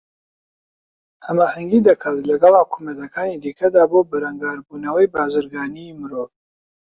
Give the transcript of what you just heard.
ھەماھەنگی دەکات لەگەڵ حوکمەتەکانی دیکەدا بۆ بەرەنگاربوونەوەی بازرگانیی مرۆڤ